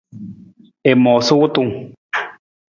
I moosa wutung.